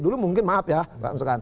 dulu mungkin maaf ya pak misalkan